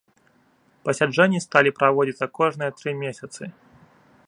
Пасяджэнні сталі праводзіцца кожныя тры месяцы.